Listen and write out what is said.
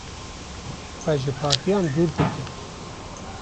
Xwe ji partiyan dûr bigirin.